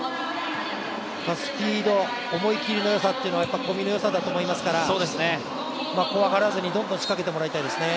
スピード、思い切りの良さは小見の良さだと思いますから怖がらずにどんどん仕掛けてもらいたいですね。